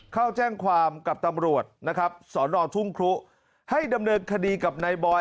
เข้าแจ้งความกับตำรวจนะครับ